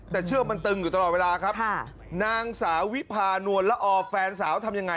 แต่เชือกมันตึงอยู่ตลอดเวลาครับค่ะนางสาววิพานวลละอแฟนสาวทำยังไง